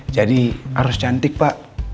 jadi harus cantik pak